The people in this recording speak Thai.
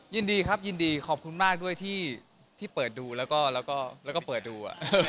ยินดีครับยินดีขอบคุณมากด้วยที่เปิดดูแล้วก็เปิดดู